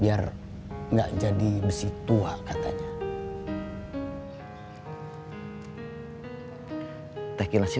dia yang berani bawa keluarga ke sini